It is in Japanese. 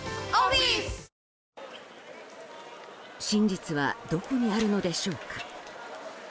真実はどこにあるのでしょうか。